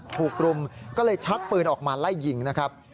ถูกรุมก็เลยชักปืนออกมาไล่ยิงนะครับ